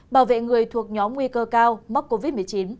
bảo vệ người thuộc nhóm nguy cơ cao mắc covid một mươi chín